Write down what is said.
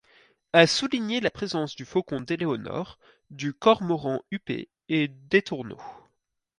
À souligner la présence du faucon d'Eléonore, du cormoran huppé et d'étourneaux.